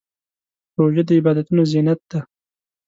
روژه د عبادتونو زینت دی.